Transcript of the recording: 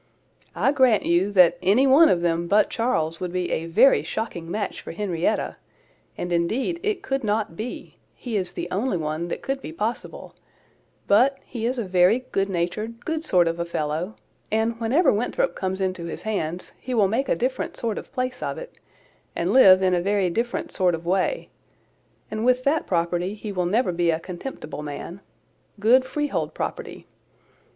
I grant you, that any of them but Charles would be a very shocking match for Henrietta, and indeed it could not be; he is the only one that could be possible; but he is a very good natured, good sort of a fellow; and whenever Winthrop comes into his hands, he will make a different sort of place of it, and live in a very different sort of way; and with that property, he will never be a contemptible man—good, freehold property.